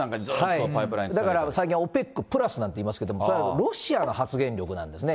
だから最近、ＯＰＥＣプラスなんて言いますけど、それはロシアの発言力なんですね。